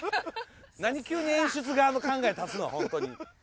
何急に演出側の考え出すのホントに。